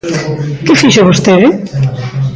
¿Que fixo vostede?